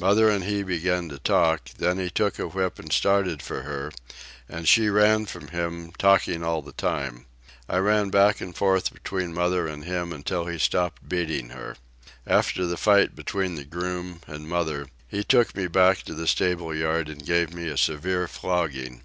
Mother and he began to talk, then he took a whip and started for her, and she ran from him, talking all the time. I ran back and forth between mother and him until he stopped beating her. After the fight between the groom and mother, he took me back to the stable yard and gave me a severe flogging.